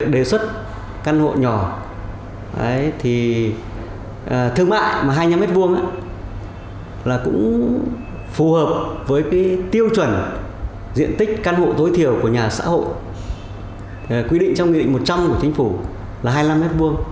đề xuất căn hộ nhỏ thì thương mại mà hai mươi năm m hai là cũng phù hợp với tiêu chuẩn diện tích căn hộ tối thiểu của nhà xã hội quy định trong nghị định một trăm linh của chính phủ là hai mươi năm m hai